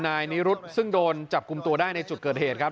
นายนิรุธซึ่งโดนจับกลุ่มตัวได้ในจุดเกิดเหตุครับ